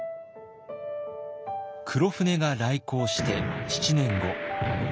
黒船が来航して７年後。